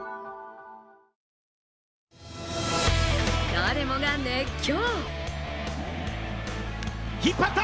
誰もが熱狂。